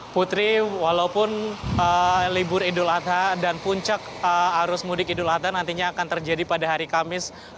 putri walaupun libur idul adha dan puncak arus mudik idul adha nantinya akan terjadi pada hari kamis